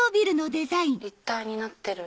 立体になってる。